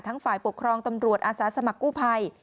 ฝ่ายปกครองตำรวจอาสาสมัครกู้ภัย